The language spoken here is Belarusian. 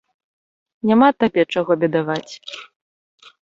Няма табе чаго бедаваць!